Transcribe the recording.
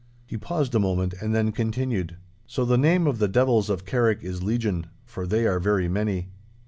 He paused a moment, and then continued,— 'So the name of the devils of Carrick is Legion, for they are very many!